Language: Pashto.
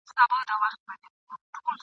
را ټینګ کړي مي په نظم هم دا مځکه اسمانونه !.